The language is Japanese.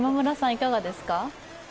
いかがですか？